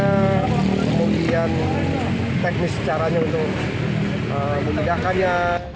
kemudian teknis caranya untuk memindahkannya